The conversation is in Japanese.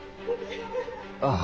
ああ。